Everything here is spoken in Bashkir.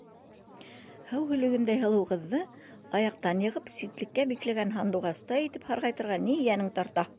Һыу һөлөгөндәй һылыу ҡыҙҙы аяҡтан йығып, ситлеккә бикләгән һандуғастай итеп һарғайтырға ни йәнең тарта?